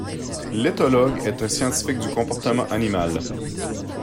L’éthologue est un scientifique du comportement animal.